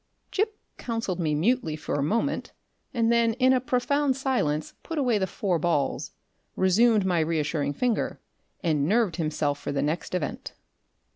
Gip counselled me mutely for a moment, and then in a profound silence put away the four balls, resumed my reassuring finger, and nerved himself for the next event.